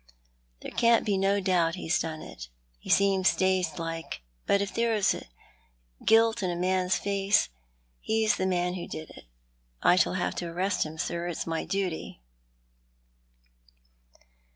There can't be no doubt he's done it. He seems dazed like, but if ever there was guilt in a man's face, he's the man who did it. I shall have to arrest him sir. It's my duty."